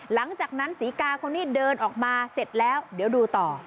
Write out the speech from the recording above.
หลังจากนั้นศรีกาคนนี้เดินออกมาเสร็จแล้วเดี๋ยวดูต่อ